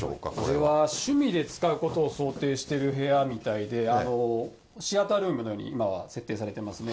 これは趣味で使うことを想定してる部屋みたいで、シアタールームのように今は設定されていますね。